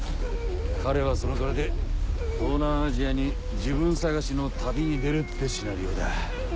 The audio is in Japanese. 彼はその金で東南アジアに自分探しの旅に出るってシナリオだ。